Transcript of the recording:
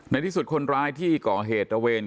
ในที่สุดคนร้ายที่ก่อเหตุตระเวน